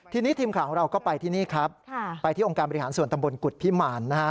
ทีมข่าวเราก็ไปที่นี่ครับไปที่องค์การบริหารส่วนตำบลกุฎพิมาร